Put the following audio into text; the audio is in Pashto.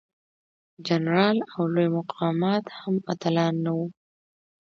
جنرالان او لوی مقامات هم اتلان نه وو.